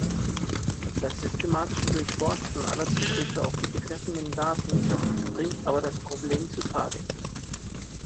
Das systematische Durchforsten aller Zugriffe auf die betreffenden Daten bringt aber das Problem zutage.